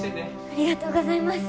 ありがとうございます。